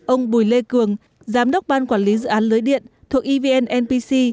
ông bùi lê cường giám đốc ban quản lý dự án lưới điện thuộc evn npc